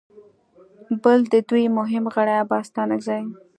بل د دوی مهم غړي عباس ستانکزي